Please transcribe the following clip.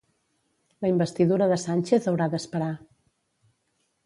La investidura de Sánchez haurà d'esperar.